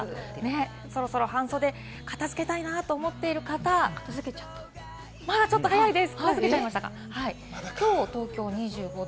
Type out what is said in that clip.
そろそろ半袖を片付けたいなと思っている方、まだちょっと早いです。